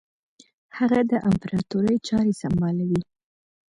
هغه د امپراطوري چاري سمبالوي.